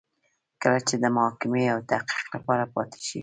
کله چې د محاکمې او تحقیق لپاره پاتې شي.